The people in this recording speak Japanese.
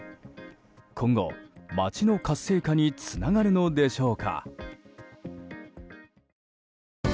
今後、町の活性化につながるのでしょうか。